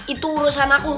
itu urusan aku